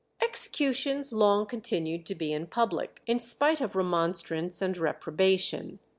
Executions long continued to be in public, in spite of remonstrance and reprobation.